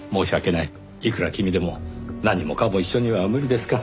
いくら君でも何もかも一緒には無理ですか。